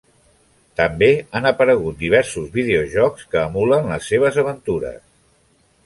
També han aparegut diversos videojocs que emulen les seves aventures.